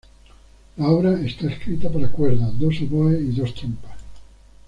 La obra está escrita para cuerdas, dos oboes, y dos trompas.